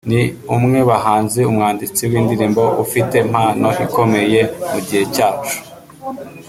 Ni umwe bahanzi/umwanditsi w’indirimbo ufite mpano ikomeye mu gihe cyacu